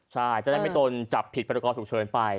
ใช่จะได้ไม่ต้องจับผิดปรากฎถูกเชิญไป